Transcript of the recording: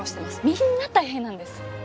みんな大変なんです。